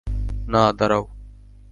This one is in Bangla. না, দাঁড়াও!